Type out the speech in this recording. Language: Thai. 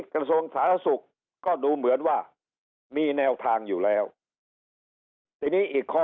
กระทรวงสาธารณสุขก็ดูเหมือนว่ามีแนวทางอยู่แล้วทีนี้อีกข้อ